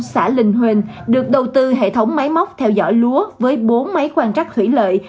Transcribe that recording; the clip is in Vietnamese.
xã linh huỳnh được đầu tư hệ thống máy móc theo dõi lúa với bốn máy quan trắc thủy lợi